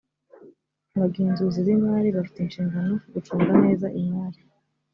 abagenzuzi bimari bafite ishingano gucunga neza imari